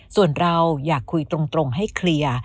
ส่วนเราอยากคุยตรงให้เคลียร์